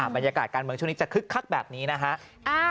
บรรยากาศการเมืองช่วงนี้จะคึกคักแบบนี้นะฮะ